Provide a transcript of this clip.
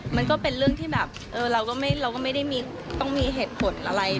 มันก็เป็นเรื่องที่แบบเราก็ไม่ได้ต้องมีเหตุผลอะไร